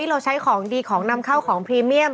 เราใช้ของดีของนำเข้าของพรีเมียม